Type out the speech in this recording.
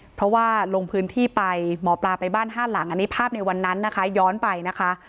เพราะว่าลงพื้นที่ไปหมอปลาไปบ้านห้าหลังอันนี้ภาพในวันนั้นนะคะย้อนไปนะคะ